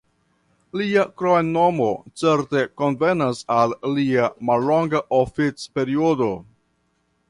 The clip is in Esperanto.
Lia kromnomo certe konvenas al lia mallonga oficperiodo.